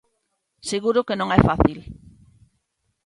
Seguro que non é fácil.